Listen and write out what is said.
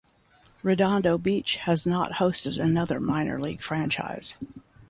Redondo Beach has not hosted another minor league franchise.